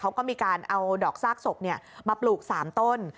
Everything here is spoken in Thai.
เขาก็มีการเอาดอกซากศพมาปลูก๓ต้น